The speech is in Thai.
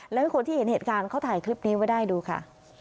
แล้วคนที่เห็นเหตุการณ์เขาถ่ายคลิปนี้ไว้ได้ดูค่ะ